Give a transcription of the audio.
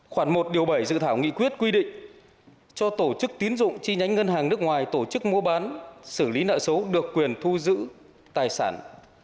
khoảng một điều bảy dự thảo nghị quyết quy định cho tổ chức tín dụng chi nhánh ngân hàng nước ngoài tổ chức mua bán xử lý nợ xấu được quyền thu giữ tài sản